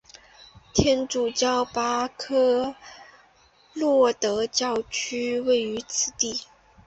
天主教巴科洛德教区位于此地。